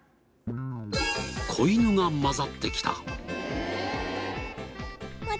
子犬が交ざってきた。